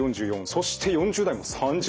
そして４０代も３０％。